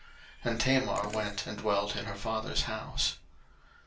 And Tamar went and dwelt in her father's house.